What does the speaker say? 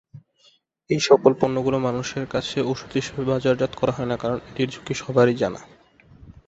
এই সকল পণ্যগুলো সাধারণ মানুষের কাছে ঔষধ হিসেবে বাজারজাত করা হয়না, কারণ এটির ঝুঁকি সবারই জানা।